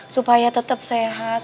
supaya tetap sehat